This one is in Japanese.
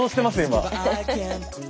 今。